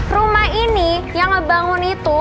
rumah ini yang ngebangun itu